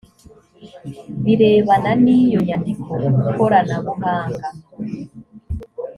birebana n iyo nyandiko koranabuhanga